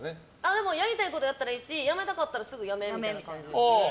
でも、やりたいことやったらいいしやめたかったらすぐやめえみたいな感じ。